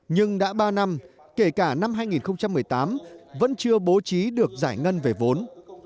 nhưng đã ba năm kể cả năm hai nghìn một mươi tám vẫn chưa bố trí được giải ngân về vốn